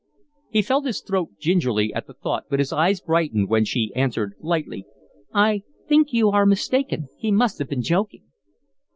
He felt his throat gingerly at the thought, but his eyes brightened when she answered, lightly: "I think you are mistaken. He must have been joking."